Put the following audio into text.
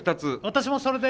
私もそれで。